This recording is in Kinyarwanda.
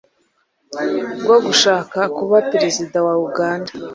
bwo gushaka kuba Perezida wa Uganda.